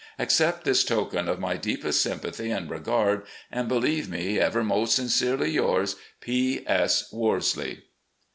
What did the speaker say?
Accept this token of my deepest sympathy and regard, and believe me, " Ever most sincerely yours, "P. S. WORSLEY."